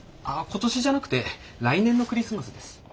あっ今年じゃなくて来年のクリスマスです。